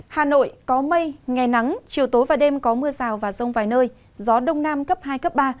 hà nội có mây ngày nắng chiều tối và đêm có mưa rào và rông vài nơi gió đông nam cấp hai cấp ba